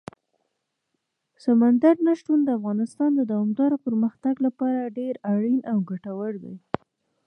سمندر نه شتون د افغانستان د دوامداره پرمختګ لپاره ډېر اړین او ګټور دی.